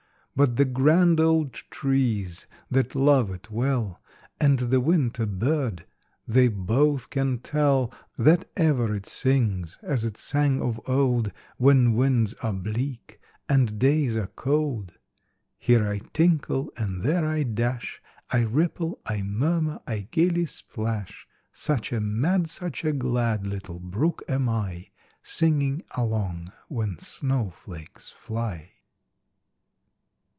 But the grand old trees that love it well, And the winter bird,—they both can tell That ever it sings, as it sang of old, When winds are bleak and days are cold, "Here I tinkle, and there I dash, I ripple, I murmur, I gaily splash; Such a mad, such a glad little brook am I, Singing along when snowflakes fly!"